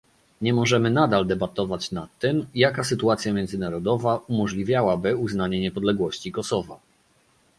Nie możemy nadal debatować nad tym, jaka sytuacja międzynarodowa umożliwiałaby uznanie niepodległości Kosowa